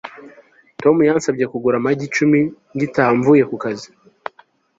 Tom yansabye kugura amagi icumi ngitaha mvuye ku kazi